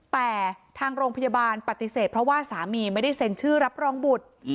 แต่ทางโรงพยาบาลปฏิเสธเพราะว่าสามีไม่ได้เซ็นชื่อรับรองบุตร